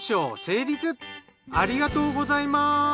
ありがとうございます。